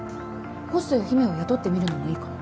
ホストや姫を雇ってみるのもいいかも。